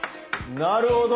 なるほど。